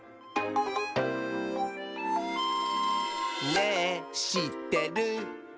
「ねぇしってる？」